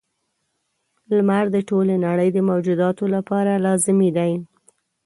• لمر د ټولې نړۍ د موجوداتو لپاره لازمي دی.